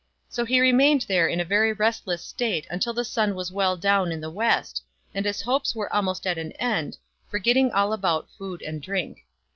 So he remained there in a very restless state till the sun was well down in the west, and his hopes were almost at an end, forgetting all about food and drink.